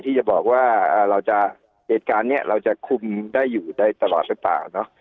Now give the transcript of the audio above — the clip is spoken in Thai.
ที่จะบอกว่าเหตุการณ์นี้เราจะคุมได้อยู่ได้ตลอดต่าง